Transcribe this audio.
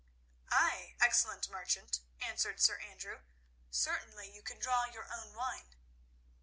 "Ay, excellent merchant," answered Sir Andrew. "Certainly you can draw your own wine."